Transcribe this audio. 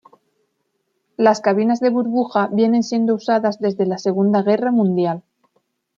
Las cabinas de burbuja vienen siendo usadas desde la Segunda Guerra Mundial.